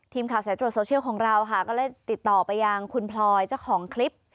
สายตรวจโซเชียลของเราค่ะก็เลยติดต่อไปยังคุณพลอยเจ้าของคลิป